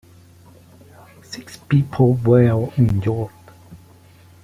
Six people were injured.